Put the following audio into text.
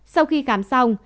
sau khi khám xong